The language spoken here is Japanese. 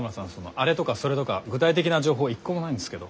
あれとかそれとか具体的な情報一個もないんですけど。